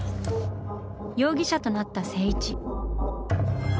容疑者となった静一。